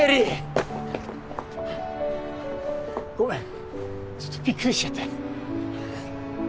ごめんちょっとびっくりしちゃって。